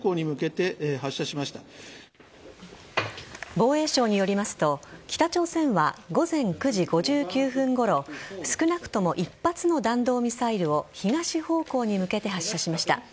防衛省によりますと北朝鮮は午前９時５９分ごろ少なくとも１発の弾道ミサイルを東方向に向けて発射しました。